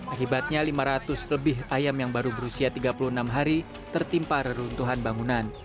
akibatnya lima ratus lebih ayam yang baru berusia tiga puluh enam hari tertimpa reruntuhan bangunan